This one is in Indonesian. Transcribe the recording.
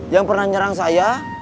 yang pernah nyerang saya